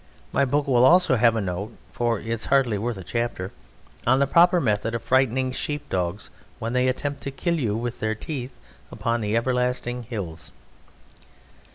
My book will also have a note (for it is hardly worth a chapter) on the proper method of frightening sheep dogs when they attempt to kill you with their teeth upon the everlasting hills.